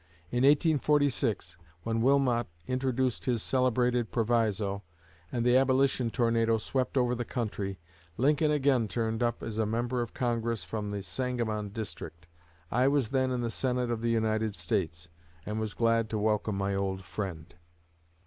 In 1846, when Wilmot introduced his celebrated proviso, and the Abolition tornado swept over the country, Lincoln again turned up as a Member of Congress from the Sangamon district. I was then in the Senate of the United States, and was glad to welcome my old friend."